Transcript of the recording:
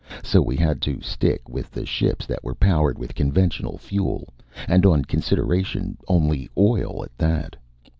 So we had to stick with the ships that were powered with conventional fuel and, on consideration, only oil at that.